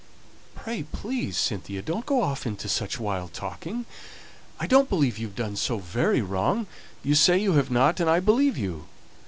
"Pray, please, Cynthia, don't go off into such wild talking. I don't believe you've done so very wrong. You say you have not, and I believe you.